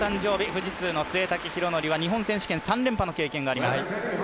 富士通の潰滝大記、日本選手権３連覇の記録があります。